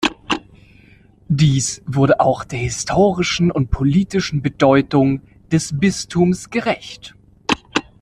Dies wurde auch der historischen und politischen Bedeutung des Bistums gerecht.